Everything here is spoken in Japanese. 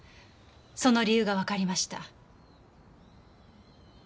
その理由がわかりました。